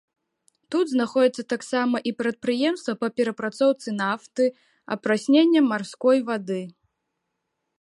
Тут знаходзяцца таксама і прадпрыемствы па перапрацоўцы нафты, апраснення марской вады.